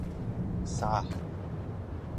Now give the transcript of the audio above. سهل